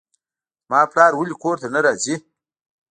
زما پلار ولې کور ته نه راځي.